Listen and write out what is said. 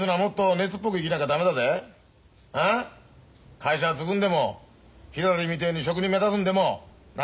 会社継ぐんでもひらりみてえに職人目指すんでもな？